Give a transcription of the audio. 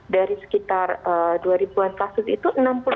dari sekitar dua ribu an kasus itu